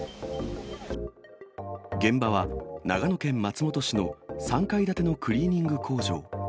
現場は、長野県松本市の３階建てのクリーニング工場。